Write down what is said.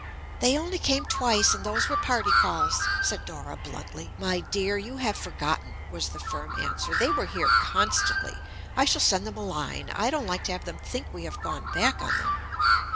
"They only came twice, and those were party calls," said Dora bluntly. "My dear, you have forgotten," was the firm answer. "They were here constantly. I shall send them a line; I don't like to have them think we have gone back on them."